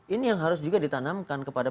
ini yang harus juga ditanamkan kepada